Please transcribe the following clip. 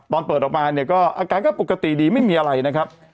เปิดออกมาเนี่ยก็อาการก็ปกติดีไม่มีอะไรนะครับ